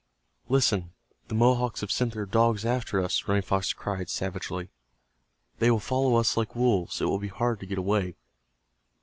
"Listen, the Mohawks have sent their dogs after us," Running Fox cried, savagely. "They will follow us like wolves. It will be hard to get away."